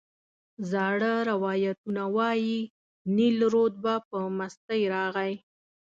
زاړه روایتونه وایي نیل رود به په مستۍ راغی.